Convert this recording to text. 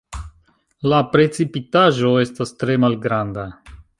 La precipitaĵo estas tre malgranda.